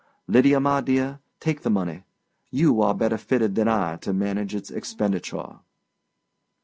Lydia, my dear, take the money. You are better fitted than I to manage its expenditure."